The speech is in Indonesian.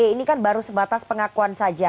ini kan baru sebatas pengakuan saja